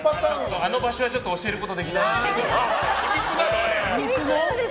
あの場所は教えることができないんです。